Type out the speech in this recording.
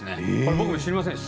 僕も知りませんでした。